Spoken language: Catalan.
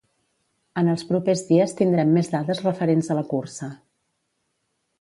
En els propers dies tindrem més dades referents a la cursa.